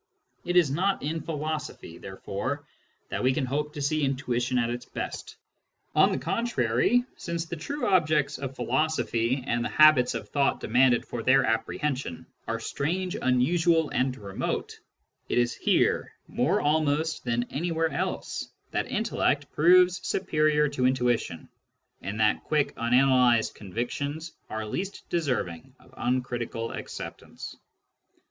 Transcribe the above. It is not in philosophy, therefore, that we can hope to see intuition at its best. On the contrary, since the true objects of philosophy, and the habits of thought de manded for their apprehension, are strange, unusual, and remote, it is here, more almost than anywhere else, that intellect proves superior to intuition, and that quick unanalysed convictions are least deserving of uncritical acceptance.